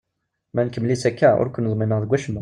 Ma nkemmel-itt akka, ur ken-ḍmineɣ deg wacemma.